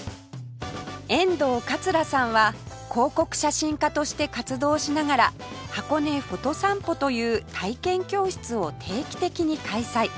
遠藤桂さんは広告写真家として活動しながら「箱根 ＰＨＯＴＯ さんぽ」という体験教室を定期的に開催